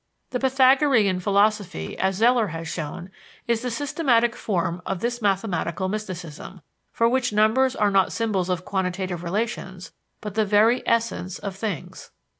The Pythagorean philosophy, as Zeller has shown, is the systematic form of this mathematical mysticism, for which numbers are not symbols of quantitative relations, but the very essence of things.